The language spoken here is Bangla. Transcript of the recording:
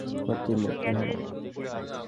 আমার টিমমেট রেহানা।